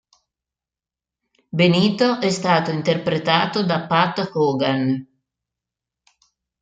Benito è stato interpretato da Pat Hogan.